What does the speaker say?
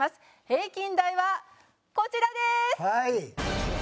平均台はこちらです！